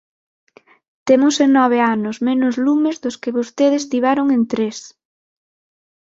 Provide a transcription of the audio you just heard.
Temos en nove anos menos lumes dos que vostedes tiveron en tres.